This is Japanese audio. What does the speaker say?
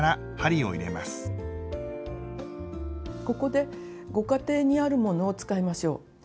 ここでご家庭にあるものを使いましょう。